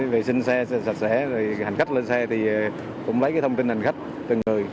vệ sinh xe sạch sẽ hành khách lên xe thì cũng lấy thông tin hành khách từng người